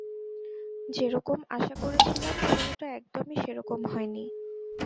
যেরকম আশা করেছিলাম শুরুটা একদমই সেরকম হয়নি।